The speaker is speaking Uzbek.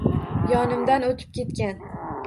Yonimdan o‘tib ketgan